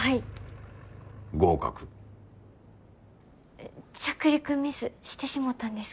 え着陸ミスしてしもたんですけど。